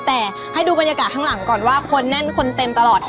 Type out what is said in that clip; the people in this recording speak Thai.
แต่ให้ดูบรรยากาศข้างหลังก่อนว่าคนแน่นคนเต็มตลอด